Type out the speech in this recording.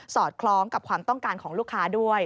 อดคล้องกับความต้องการของลูกค้าด้วย